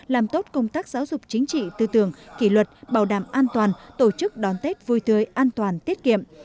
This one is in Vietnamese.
làm tốt công tác giáo dục chính trị tư tưởng kỷ luật bảo đảm an toàn tổ chức đón tết vui tươi an toàn tiết kiệm